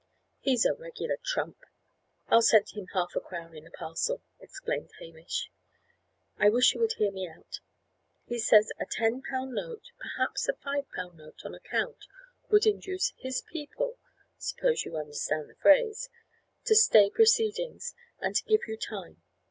"He's a regular trump! I'll send him half a crown in a parcel," exclaimed Hamish. "I wish you would hear me out. He says a ten pound note, perhaps a five pound note, on account, would induce 'his people' suppose you understand the phrase to stay proceedings, and to give you time.